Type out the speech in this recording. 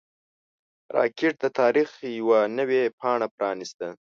راکټ د تاریخ یوه نوې پاڼه پرانیسته